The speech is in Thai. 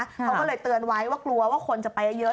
เขาก็เลยเตือนไว้ว่ากลัวว่าคนจะไปเยอะ